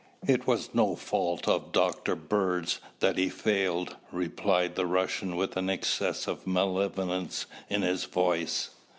"It was no fault of Dr. Bird's that he failed," replied the Russian with an excess of malevolence in his voice.